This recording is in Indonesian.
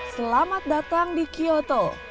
selamat datang di kyoto